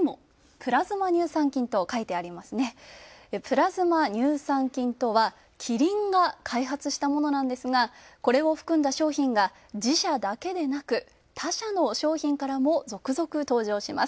プラズマ乳酸菌とはキリンが開発したものなんですがこれを含んだ商品が自社だけでなく、他社の商品からも続々登場します。